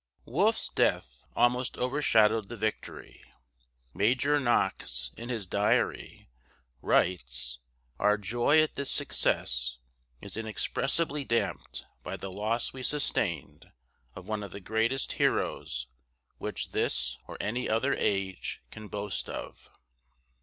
Wolfe's death almost overshadowed the victory. Major Knox, in his diary, writes, "our joy at this success is inexpressibly damped by the loss we sustained of one of the greatest heroes which this or any other age can boast of."